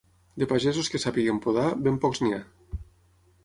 De pagesos que sàpiguen podar, ben pocs n'hi ha.